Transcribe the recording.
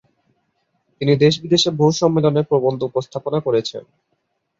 তিনি দেশ-বিদেশে বহু সম্মেলনে প্রবন্ধ উপস্থাপনা করেছেন।